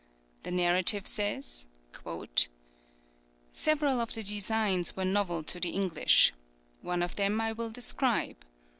The narrative says, "Several of the designs were novel to the English. One of them I will describe.